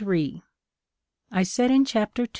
I said in chapter II.